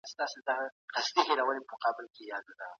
رښتيني انسان خپل ايماني مسؤليت ادا کړ.